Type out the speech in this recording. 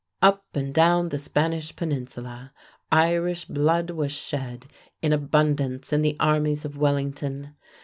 Up and down the Spanish Peninsula, Irish blood was shed in abundance in the armies of Wellington.